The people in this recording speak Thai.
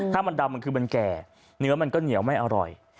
ถ้ามันดำมันคือมันแก่เนื้อมันก็เหนียวไม่อร่อย